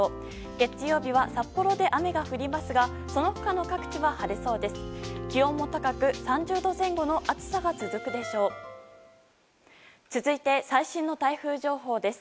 月曜日は札幌で雨が降りますがその他の各地は晴れそうです。